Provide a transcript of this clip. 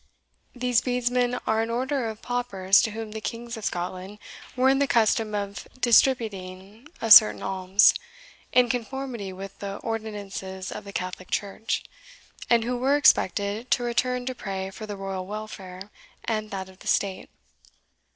These Bedesmen are an order of paupers to whom the Kings of Scotland were in the custom of distributing a certain alms, in conformity with the ordinances of the Catholic Church, and who were expected in return to pray for the royal welfare and that of the state.